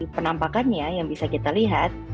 penampakannya yang bisa kita lihat